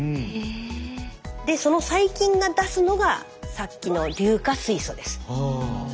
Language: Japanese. その細菌が出すのがさっきの硫化水素です。